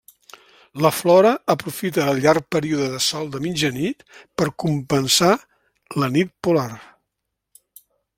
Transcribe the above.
La flora aprofita el llarg període de sol de mitjanit per compensar la nit polar.